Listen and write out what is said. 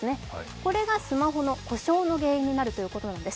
これがスマホの故障の原因になるということなんです。